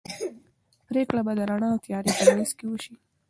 پرېکړه به د رڼا او تیارې په منځ کې وشي.